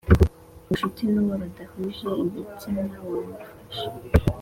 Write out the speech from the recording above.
ubucuti n uwo badahuje igitsina wamufasha